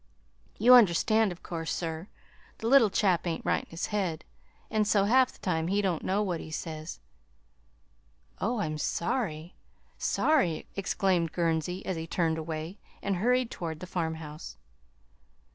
You understand, 'course, sir, the little chap ain't right in his head, an' so half the time he don't know what he says." "Oh, I'm sorry, sorry!" exclaimed Gurnsey, as he turned away, and hurried toward the farmhouse.